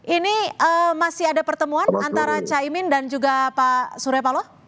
ini masih ada pertemuan antara caimin dan juga pak surya paloh